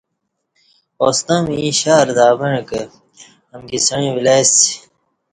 اوستں می ییں شہر تہ اوعں کہ امکی سعیں ولیسی